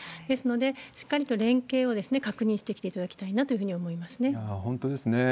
ですので、しっかりと連携を確認してきていただきたいなと思いま本当ですね。